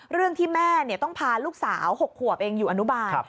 เรื่องที่แม่ต้องพาลูกสาว๖ขวบเองอยู่อนุบาล